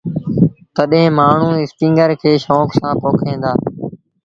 تڏهيݩ مآڻهوٚٚݩ اسپيٚنگر کي شوڪ سآݩ پوکيݩ دآ۔